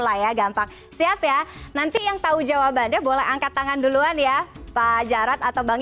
lah ya gampang siap ya nanti yang tahu jawabannya boleh angkat tangan duluan ya pak jarod atau bang